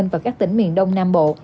và các tỉnh miền đông nam bộ